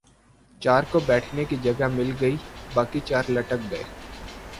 چار کو بیٹھنے کی جگہ مل گئی باقی چار لٹک گئے ۔